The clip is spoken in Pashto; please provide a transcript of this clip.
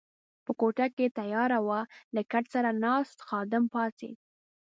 په کوټه کې تیاره وه، له کټ سره ناست خادم پاڅېد.